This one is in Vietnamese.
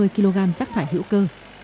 kg rác thải hữu cơ